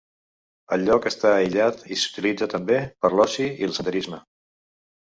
El lloc està aïllat i s'utilitza també per l'oci i el senderisme.